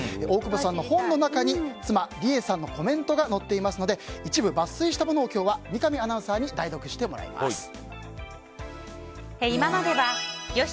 大久保さんの本の中に妻・莉瑛さんのコメントが載っていますので一部抜粋したものを今日は三上アナウンサーに代読してもらいます。